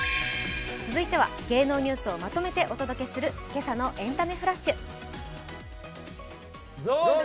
続いては芸能ニュースをまとめてお届けする「けさのエンタメフラッシュ」。